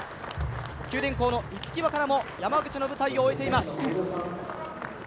九電工の逸木和香菜も山口の舞台を終えています。